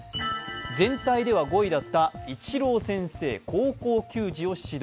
全体では５位だったイチロー先生、高校球児を指導。